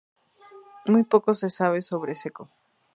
Muy poco se sabe sobre Cecco.